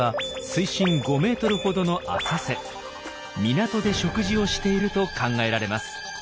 港で食事をしていると考えられます。